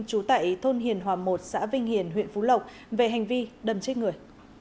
trú tại thôn hiền hòa một xã vinh hiền huyện phú lộc về hành vi đâm chết người